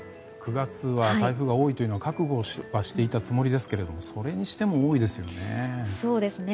９月は台風が多いというのは覚悟はしていたつもりですけどもそれにしても多いですよね。